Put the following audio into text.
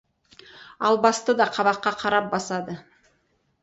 Албасты да қабаққа қарап басады.